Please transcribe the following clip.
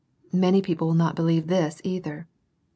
Many people will not believe this either.